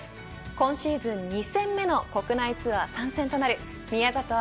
今シーズン２戦目の国内ツアー参戦となる宮里藍